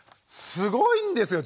すごいんですよ